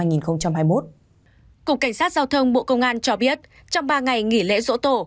cục cảnh sát giao thông bộ công an cho biết trong ba ngày nghỉ lễ dỗ tổ